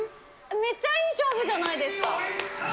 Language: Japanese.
めちゃいい勝負じゃないですか。